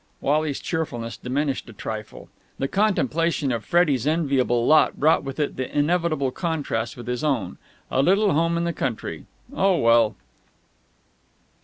Wally's cheerfulness diminished a trifle. The contemplation of Freddie's enviable lot brought with it the inevitable contrast with his own. A little home in the country.... Oh, well!